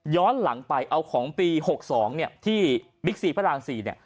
ย้อนหลังไปเอาของปี๖๒ที่วิทย์๔พระราชน์๔